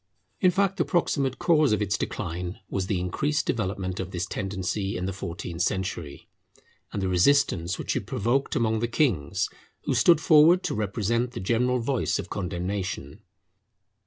In fact, the proximate cause of its decline was the increased development of this tendency in the fourteenth century, and the resistance which it provoked among the kings, who stood forward to represent the general voice of condemnation.